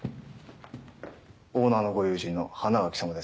オーナーのご友人の花垣さまですね。